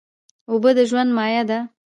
اوبه د ژوند مایه ده.